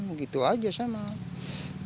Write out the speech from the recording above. begitu aja saya mah